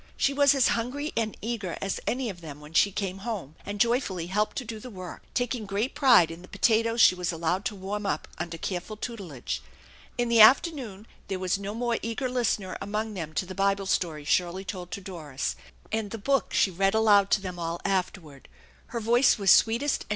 She was as hungry and eager as any of them when she came home, and joyfully helped to do the work, taking great pride in the potatoes she was allowed to warm up under careful tutelage. In the afternoon there was no more eager listener among them to the Bible story Shirley told to Doris and the book she read aloud to them all afterward; her voice was sweetest and .